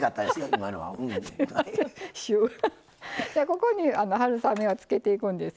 ここに春雨をつけていくんですけども。